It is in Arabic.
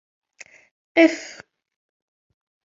قف!